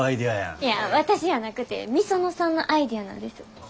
いや私やなくて御園さんのアイデアなんです。